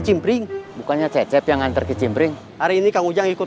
cimpring bukannya cecep yang nanti cimpring hari ini kamu jangan ikut